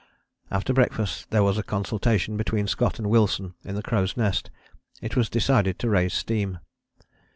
After breakfast there was a consultation between Scott and Wilson in the crow's nest. It was decided to raise steam.